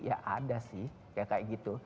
ya ada sih kayak gitu